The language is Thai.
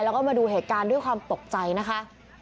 แล้วก็มาดูเหตุการณ์ด้วยความตกใจนะคะ